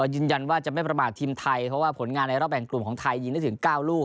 ยืนยันว่าจะไม่ประมาททีมไทยเพราะว่าผลงานในรอบแบ่งกลุ่มของไทยยิงได้ถึง๙ลูก